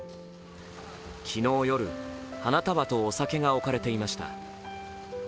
昨日夜、花束とお酒が置かれていました。